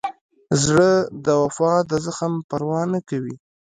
زړه د وفا د زخم پروا نه کوي.